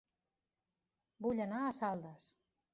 Vull anar a Saldes